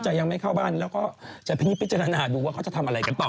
ยังไม่เข้าบ้านแล้วก็จะพิจารณาดูว่าเขาจะทำอะไรกันต่อ